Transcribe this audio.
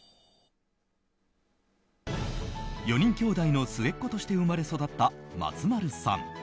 ４人兄弟の末っ子として生まれ育った松丸さん。